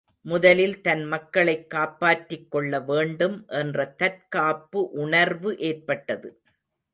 முதலில் தன் மக்களைக் காப்பாற்றிக் கொள்ளவேண்டும் என்ற தற்காப்பு உணர்வு ஏற்பட்டது.